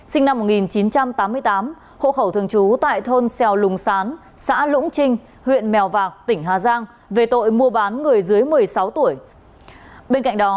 sinh năm một nghìn chín trăm tám mươi tám hộ khẩu thường trú tại thôn xèo lùng sán